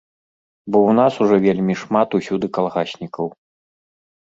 Бо ў нас ужо вельмі шмат усюды калгаснікаў.